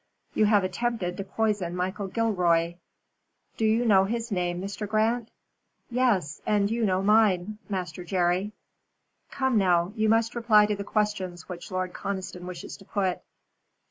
"You have attempted to poison Michael Gilroy " "Do you know his name, Mr. Grant?" "Yes! And you know mine, Master Jerry. Come now, you must reply to the questions which Lord Conniston wishes to put."